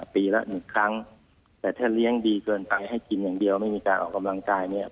ปีละหนึ่งครั้งแต่ถ้าเลี้ยงดีเกินไปให้กินอย่างเดียวไม่มีการออกกำลังกายเนี่ย